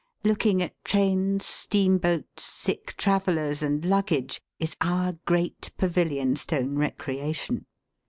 Looking at trains, steamboats, sick travellers, and luggage, is our great Pavilionstone recreation.